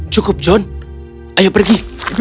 cukup john ayo pergi